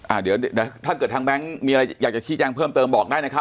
อ่าเดี๋ยวถ้าเกิดทางแบงค์มีอะไรอยากจะชี้แจ้งเพิ่มเติมบอกได้นะครับ